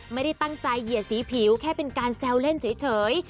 ไม่ได้ตั้งใจเหยียดสีผิวแค่เป็นการแซวเล่นเฉย